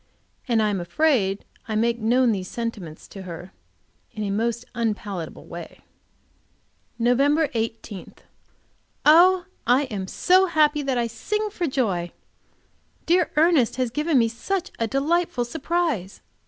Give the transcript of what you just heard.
And I am afraid I make known these sentiments to her in a most unpalatable way. Nov. 18. Oh, I am so happy that I sing for joy! Dear Ernest has given me such a delightful surprise!